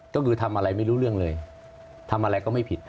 ก็คือทำอะไรไม่รู้เรื่องเลยทำอะไรก็ไม่ผิด